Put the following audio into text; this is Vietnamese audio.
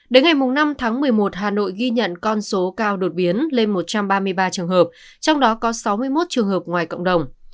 đến ngày năm tháng một mươi một hà nội ghi nhận con số cao đột biến lên một trăm ba mươi ba trường hợp trong đó có sáu mươi một trường hợp ngoài cộng đồng